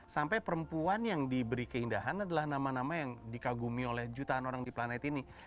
sampai perempuan yang diberi keindahan adalah nama nama yang dikagumi oleh jutaan orang di planet ini